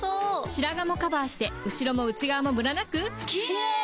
白髪もカバーして後ろも内側もムラなくキレイ！